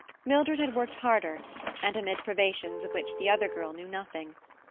Mildred had worked harder, and amid privations of which the other girl knew nothing.